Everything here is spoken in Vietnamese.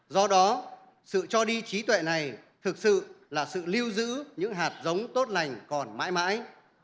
do đó sự cho đi trí tuệ này thực sự là sự lưu giữ những hạt giống tốt lành còn mãi mãi